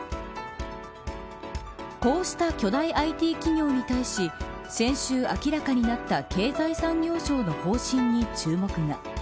こうした巨大ＩＴ企業に対し先週、明らかになった経済産業省の方針に注目が。